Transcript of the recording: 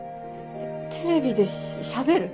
テレビでしゃべる？